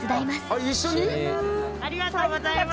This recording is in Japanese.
ありがとうございます。